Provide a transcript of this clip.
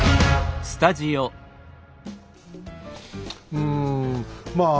うんまあ